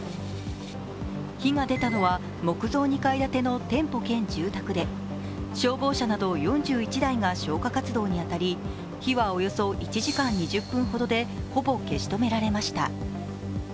火が出たのは木造２階建ての店舗兼住宅で消防車など４１台が消火活動に当たり、日はおよそ１時間２０分ほどで消し止められました。